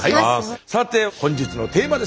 さて本日のテーマです。